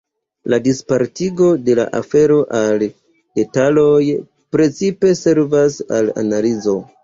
La dispartigo de afero al detaloj precipe servas al analizo.